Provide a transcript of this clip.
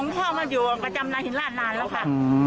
เมื่อกว่าประจำนาฮินราชนานแล้วค่ะ